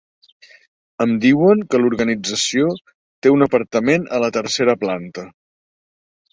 Em diuen que l'organització té un apartament a la tercera planta.